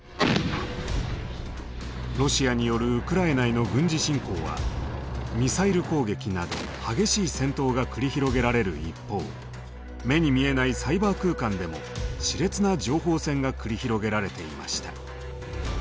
ロシアによるウクライナへの軍事侵攻はミサイル攻撃など激しい戦闘が繰り広げられる一方目に見えないサイバー空間でもしれつな情報戦が繰り広げられていました。